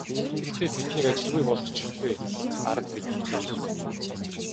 Гэхдээ тэднийг ажилгүй болгочихгүй арга бидэнд бий.